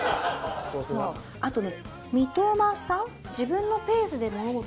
あとね。